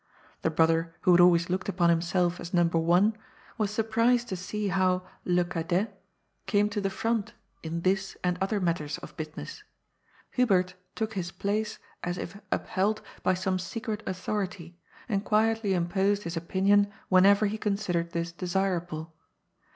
The brother who had 142 GOD'S POOL. always looked upon himself as number one was surprised to see how '' le cadet '' came to the front in this and other matters of business. Hubert took his place as if upheld by some secret authority, and quietly imposed his opinion whenever he considered this desirable.